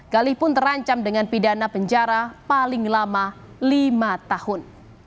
galih pun terancam dengan pidana penjara paling lama lima tahun